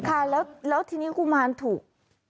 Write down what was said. ค่ะแล้วทีนี้กุมารถูก